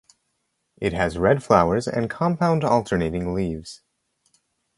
It has red flowers and compound alternating leaves.